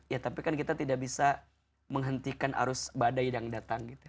ya tapi kan kita tidak bisa menghentikan arus badai yang datang gitu ya